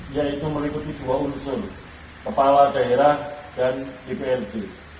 yaitu meliputi dua unsur kepala daerah dan dprd